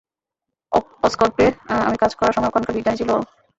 অসকর্পে আমি কাজ করার সময়ে ওখানকার বিজ্ঞানী ছিল ও।